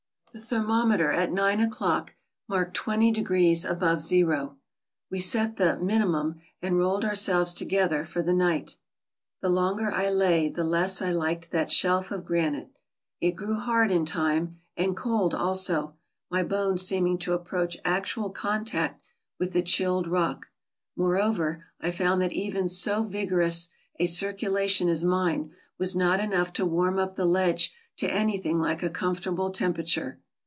The thermometer at nine o'clock marked twenty degrees above zero. We set the "minimum " and rolled ourselves together for the night. The longer I lay the less I liked that shelf of granite; it grew hard in time, and cold also, my bones seeming to approach actual contact with the chilled rock ; moreover, I found that even so vigorous a circulation as mine was not enough to warm up the ledge to anything like a comfortable temperature.